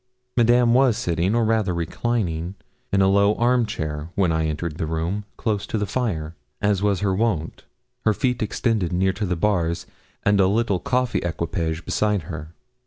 Madame was sitting, or rather reclining, in a low arm chair, when I entered the room, close to the fire, as was her wont, her feet extended near to the bars, and a little coffee equipage beside her.